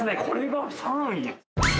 これが３位？